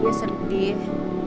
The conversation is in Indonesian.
iya gue sedih